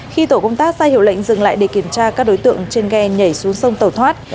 khi tổ công tác sai hiểu lệnh dừng lại để kiểm tra các đối tượng trên ghe nhảy xuống sông tẩu thoát